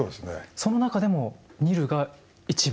その中でもニルが一番。